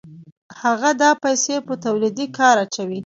هغه دا پیسې په تولیدي کار اچوي